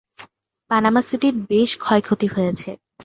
Panama সিটির বেশ ক্ষয়ক্ষতি হয়েছে।